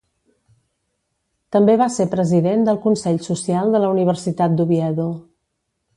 També va ser President del Consell Social de la Universitat d'Oviedo.